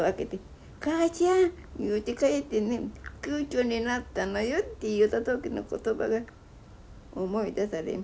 言うて帰ってね「級長になったのよ」って言うた時の言葉が思い出される。